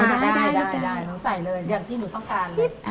ไม่ได้หนูใส่เลยอย่างที่หนูต้องการ